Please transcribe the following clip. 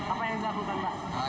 apa yang dilakukan pak